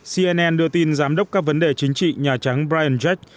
cnn đưa tin giám đốc các vấn đề chính trị nhà trắng brian jack